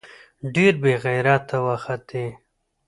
ډېر بې غېرته وختې.